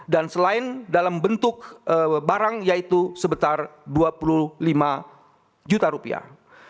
dan selain dalam bentuk barang yaitu sebetulnya dua puluh lima juta rupiah